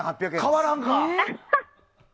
変わらんか！